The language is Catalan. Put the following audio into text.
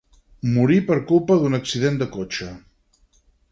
Morí per culpa d'un accident de cotxe.